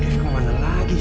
dev kemana lagi sih